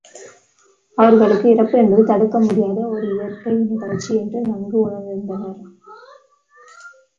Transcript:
அவர்கள் இறப்பு என்பது தடுக்க முடியுாத ஒர் இயற்கை நிகழ்ச்சி என்று நன்கு உணர்ந்திருந்தனர்.